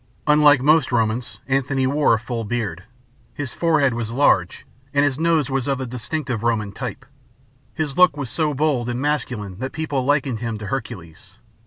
Unlike most Romans, Antony wore a full beard. His forehead was large, and his nose was of the distinctive Roman type. His look was so bold and masculine that people likened him to Hercules.